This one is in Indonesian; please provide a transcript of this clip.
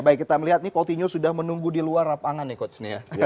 baik kita melihat nih coutinho sudah menunggu di luar lapangan nih coach